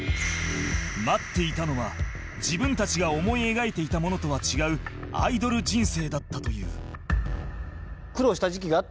待っていたのは自分たちが思い描いていたものとは違うアイドル人生だったという